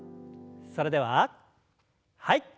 それでははい。